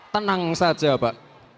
tenang saja pak